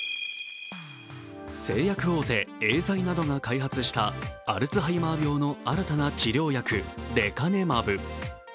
製薬大手・エーザイなどが開発したアルツハイマー病の新たな治療薬レカネマブ。